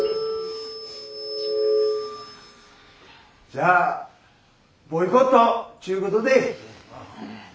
じゃあボイコットちゅうことで。